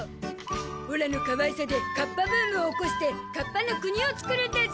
オラのかわいさでカッパブームを起こしてカッパの国を作るんだゾ。